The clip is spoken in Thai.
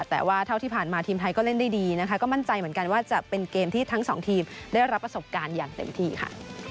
แต่ว่าเท่าที่ผ่านมาทีมไทยก็เล่นได้ดีนะคะก็มั่นใจเหมือนกันว่าจะเป็นเกมที่ทั้งสองทีมได้รับประสบการณ์อย่างเต็มที่ค่ะ